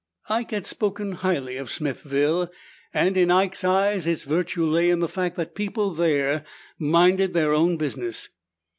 Ike had spoken highly of Smithville, and in Ike's eyes its virtue lay in the fact that people there minded their own business.